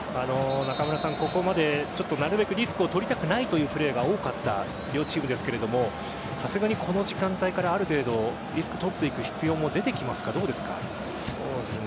ここまでなるべくリスクを取りたくないというプレーが多かった両チームですがさすがに、この時間帯からある程度リスクを取っていく必要性出てきますがどうですか？